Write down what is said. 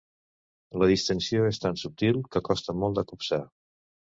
La distinció és tan subtil que costa molt de copsar.